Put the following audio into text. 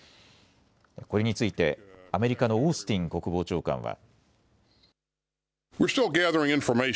これについてアメリカのオースティン国防長官は。